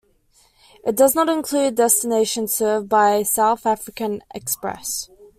It does not include destinations served by South African Express.